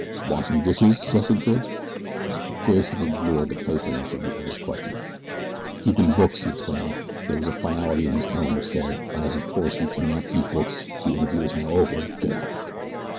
"Washing dishes?" suggested Bridge. Grayson ignored the playfulness of the other's question. "Keepin' books," he explained. There was a finality in his tone which said: "As you, of course, cannot keep books the interview is now over. Get out!"